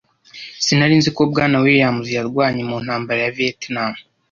Sinari nzi ko Bwana Williams yarwanye mu ntambara ya Vietnam.